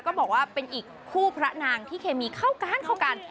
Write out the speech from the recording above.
ก็บอกว่าเป็นอีกคู่พระนางที่เคมีเข้ากันเข้ากัน